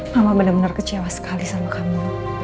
mama benar benar kecewa sekali sama kamu